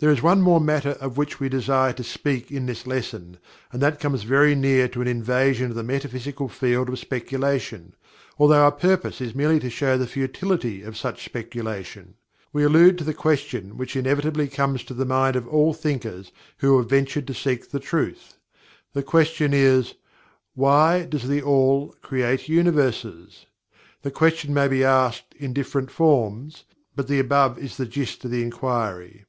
There is one more matter of which we desire to speak in this lesson, and that comes very near to an invasion of the Metaphysical field of speculation, although our purpose is merely to show the futility of such speculation. We allude to the question which inevitably comes to the mind of all thinkers who have ventured to seek the Truth. The question is: "WHY does THE ALL create Universes" The question may be asked in different forms, but the above is the gist of the inquiry.